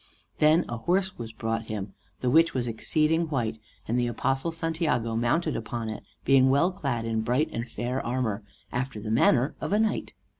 Then a horse was brought him the which was exceeding white, and the apostle Santiago mounted upon it, being well clad in bright and fair armor, after the manner of a knight.